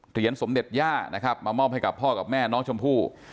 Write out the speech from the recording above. สมเด็จย่านะครับมามอบให้กับพ่อกับแม่น้องชมพู่